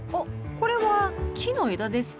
これは木の枝ですか？